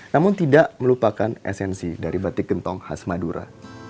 namun tidak melupakan esensi dari batik gentong khas madura